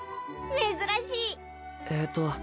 珍しいええっと